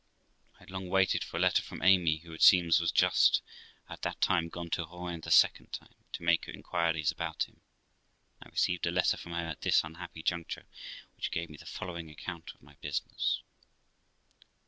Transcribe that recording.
I had long waited for a letter from Amy, who, it seems, was just at that time gone to Rouen the second time, to make her inquires about him; and I received a letter from her at this unhappy juncture, which gave me the following account of my business: I.